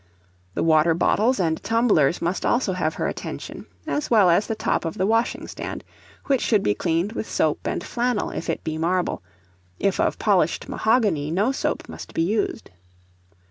The water bottles and tumblers must also have her attention, as well as the top of the washing stand, which should be cleaned with soap and flannel if it be marble: if of polished mahogany, no soap must be used.